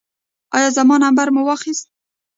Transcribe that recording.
ایا زما نمبر مو واخیست؟